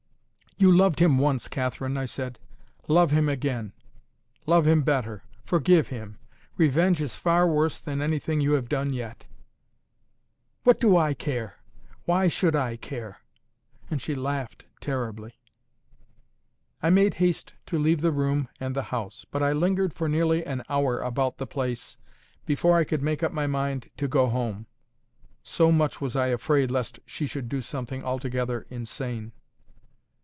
"You loved him once, Catherine," I said. "Love him again. Love him better. Forgive him. Revenge is far worse than anything you have done yet." "What do I care? Why should I care?" And she laughed terribly. I made haste to leave the room and the house; but I lingered for nearly an hour about the place before I could make up my mind to go home, so much was I afraid lest she should do something altogether insane.